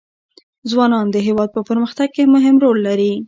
ځوانان د هېواد په پرمختګ کې مهم رول لري.